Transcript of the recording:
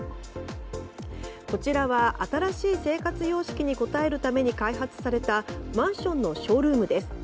こちらは新しい生活様式に応えるために開発されたマンションのショールームです。